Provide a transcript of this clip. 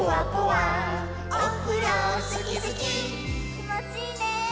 きもちいいね。